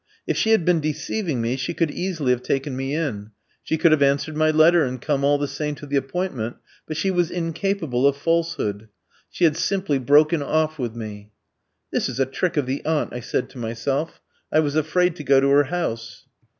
If she had been deceiving me she could easily have taken me in. She could have answered my letter and come all the same to the appointment; but she was incapable of falsehood. She had simply broken off with me. 'This is a trick of the aunt,' I said to myself. I was afraid to go to her house.